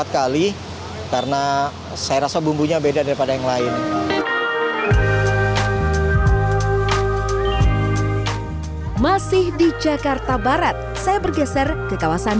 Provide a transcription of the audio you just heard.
kali karena saya rasa bumbunya beda daripada yang lain masih di jakarta barat saya bergeser ke kawasan